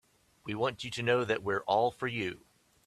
We want you to know that we're all for you.